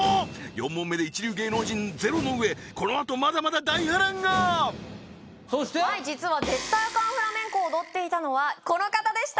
４問目で一流芸能人ゼロのうえこのあとまだまだ大波乱がそして実は絶対アカンフラメンコを踊っていたのはこの方でした